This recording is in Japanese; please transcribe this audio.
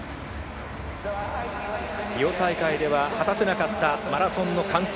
リオ大会では果たせなかったマラソンの完走。